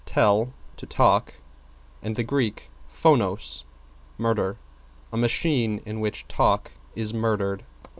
tell, to talk, and Grk. phonos, murder. A machine in which talk is murdered.